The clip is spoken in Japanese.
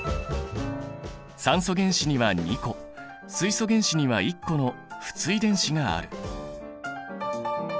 酸素原子には２個水素原子には１個の不対電子がある。